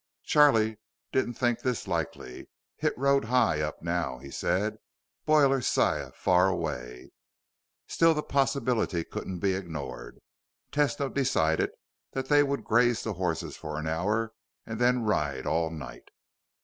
Charlie didn't think this likely. "Hit road high up now," he said. "Boiler siah. Far away." Still, the possibility couldn't be ignored. Tesno decided that they would graze the horses for an hour and then ride all night.